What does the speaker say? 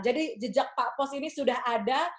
jadi jejak pak pos ini sudah ada